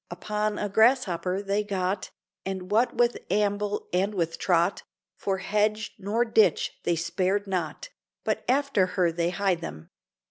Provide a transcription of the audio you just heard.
Upon a grasshopper they got, And, what with amble and with trot, For hedge nor ditch they spared not, But after her they hie them.